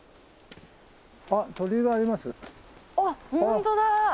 あっ本当だ。